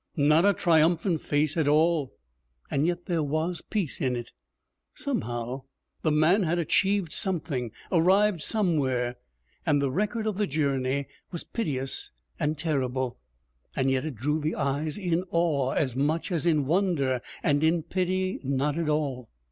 Not a triumphant face at all, and yet there was peace in it. Somehow, the man had achieved something, arrived somewhere, and the record of the journey was piteous and terrible. Yet it drew the eyes in awe as much as in wonder, and in pity not at all!